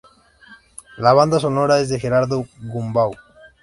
La banda sonora es de Gerardo Gombau.